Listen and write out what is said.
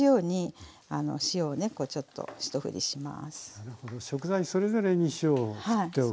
なるほど食材それぞれに塩をふっておく。